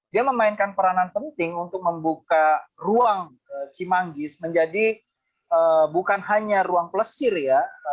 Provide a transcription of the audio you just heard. dia memainkan peranan penting untuk membuka ruang cimanggis menjadi bukan hanya ruang pelesir ya